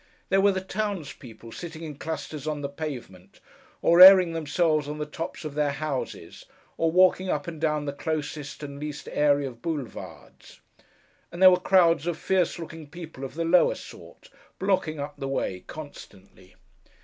There were the townspeople sitting in clusters on the pavement, or airing themselves on the tops of their houses, or walking up and down the closest and least airy of Boulevards; and there were crowds of fierce looking people of the lower sort, blocking up the way, constantly.